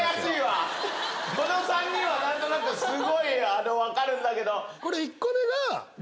この３人は何となくすごい分かるんだけど。